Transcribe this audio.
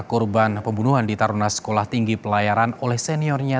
korban pembunuhan di taruna sekolah tinggi pelayaran oleh seniornya